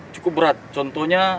cukup berat contohnya